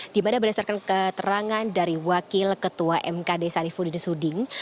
dimana berdasarkan keterangan dari wakil ketua mkd sarifudin suding